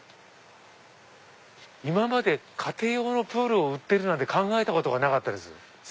今まで家庭用のプールを売ってるなんて考えたことがなかったです。